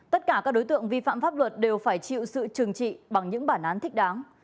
tất cả các đối tượng vi phạm pháp luật đều phải chịu sự trừng trị bằng những bản án thích đáng